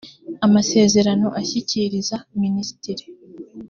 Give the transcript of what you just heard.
amasezerano ashyikiriza minisitiri